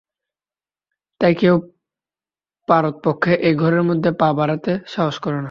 তাই কেউ-ই পারতপক্ষে এ ঘরের মধ্যে পা বাড়াতে সাহস করে না।